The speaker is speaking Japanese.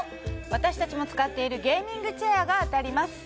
私達も使っているゲーミングチェアが当たります